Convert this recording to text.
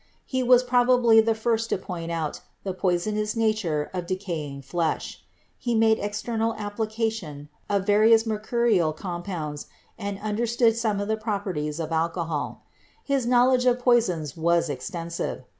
He was probably the first to point out the poisonous nature of decaying flesh. He made external application of various mercurial compounds and understood some of the properties of alcohol. His knowledge of poisons was extensive.